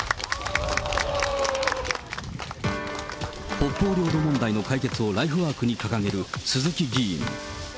北方領土問題の解決をライフワークに掲げる鈴木議員。